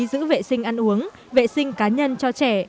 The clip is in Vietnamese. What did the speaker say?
giữ vệ sinh ăn uống vệ sinh cá nhân cho trẻ